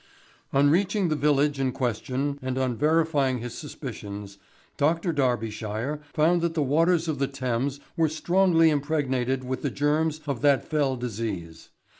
"On reaching the village in question and on verifying his suspicions, Dr. Darbyshire found that the waters of the Thames were strongly impregnated with the germs of that fell disease.